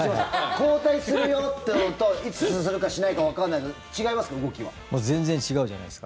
交代するよというのといつするかしないかわからないの違います？